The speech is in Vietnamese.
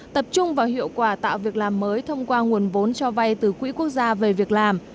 tập trung vào hiệu quả tạo việc làm mới thông qua nguồn vốn cho vay từ quỹ quốc gia về việc làm